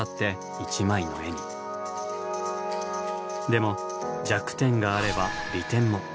でも弱点があれば利点も。